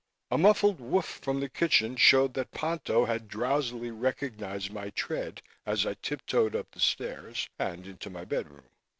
A muffled woof from the kitchen showed that Ponto had drowsily recognized my tread as I tip toed up the stairs and into my bedroom.